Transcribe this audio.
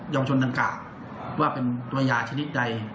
ยาวชนดันกะว่าเป็นตัวยาชนิดใด